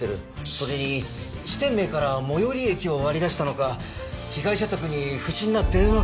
それに支店名から最寄り駅を割り出したのか被害者宅に不審な電話がかかってる。